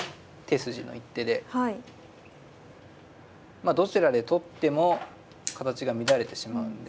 まあどちらで取っても形が乱れてしまうんで。